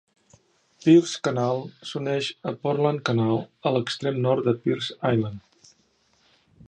Pearse Canal s'uneix a Portland Canal a l'extrem nord de Pearse Island.